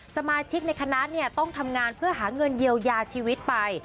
สมาชิกในคณะต้องทำงานเพื่อหาเงินเยียวยาชีวิตไป